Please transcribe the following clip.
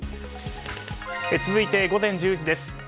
続いて午前１０時です。